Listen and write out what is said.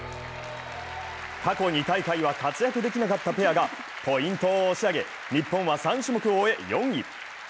過去２大会は活躍できなかったペアがポイントを押し上げ、日本は３種目を終え、４位。